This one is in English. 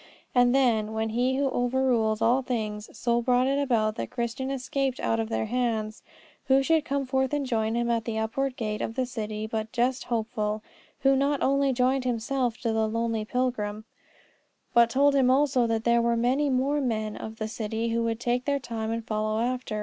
And then, when He who overrules all things so brought it about that Christian escaped out of their hands, who should come forth and join him at the upward gate of the city but just Hopeful, who not only joined himself to the lonely pilgrim, but told him also that there were many more of the men of the city who would take their time and follow after.